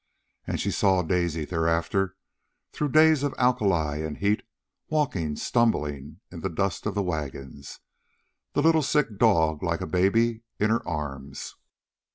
And she saw Daisy thereafter, through days of alkali and heat, walking, stumbling, in the dust of the wagons, the little sick dog, like a baby, in her arms.